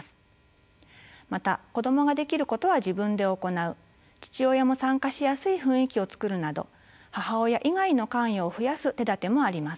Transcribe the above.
また子どもができることは自分で行う父親も参加しやすい雰囲気をつくるなど母親以外の関与を増やす手だてもあります。